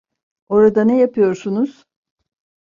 Orada ne yapıyorsunuz?